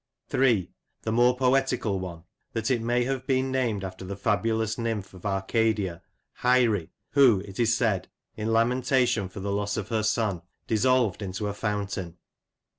3. The more poetical one, that it may have been named after the fabulous nymph of Arcadia, " Hyrie," who, it is said, in lamentation for the loss of her son, dissolved into a fountain.